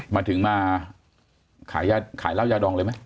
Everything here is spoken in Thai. มาถึงมาขายเหล้ายาดองเลยไหม